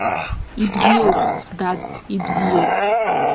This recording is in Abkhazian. Ибзиоуп, сдад, ибзиоуп!